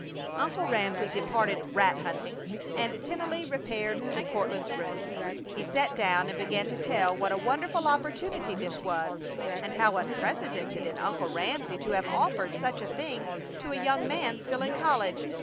Uncle Ramsey departed "rat hunting," and Tennelly repaired to Courtland's room. He sat down and began to tell what a wonderful opportunity this was, and how unprecedented in Uncle Ramsey to have offered such a thing to a young man still in college.